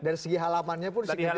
dari segi halamannya pun signifikan